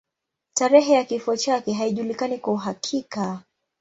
Tarehe ya kifo chake haijulikani kwa uhakika.